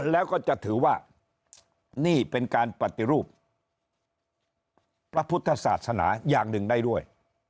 แล้วก็จะถือว่านี่เป็นการปฏิรูปพระพุทธศาสนาอย่างหนึ่งได้ด้วย